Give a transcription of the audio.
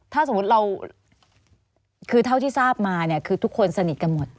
ถ้าสมมุติเราคือเท่าที่ทราบมาเนี่ยคือทุกคนสนิทกันหมด